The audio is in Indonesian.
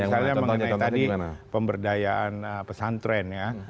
misalnya mengenai tadi pemberdayaan pesantren ya